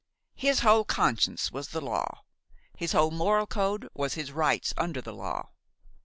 His whole conscience was the law; his whole moral code was his rights under the law.